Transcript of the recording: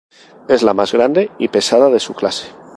Es la más grande y pesada de su clase.